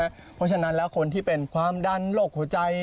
เพราะฉะนั้นแล้วคนที่เป็นความดันโรคหัวใจ